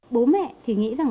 bố mẹ thì nghĩ rằng